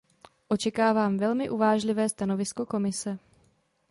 Očekávám velmi uvážlivé stanovisko Komise.